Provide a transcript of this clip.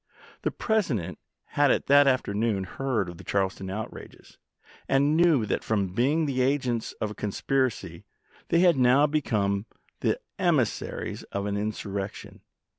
The President had that forenoon heard of the Charleston outrages, and knew that from being the agents of a conspiracy they had now become the emissaries of an insurrection.